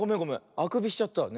あくびしちゃったね。